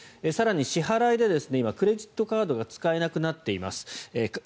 更に支払いで今、クレジットカードが使えなくなっています。